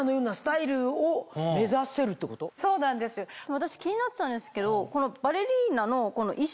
私気になってたんですけど。